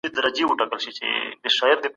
حيوانان باید په مینه وساتل سي.